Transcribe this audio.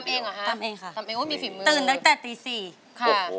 ตำเองเหรอฮะตำเองโอ้ยมีฝีมือตื่นตั้งแต่ตี๔ค่ะ